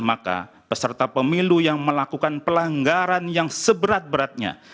maka peserta pemilu yang melakukan pelanggaran yang seberat beratnya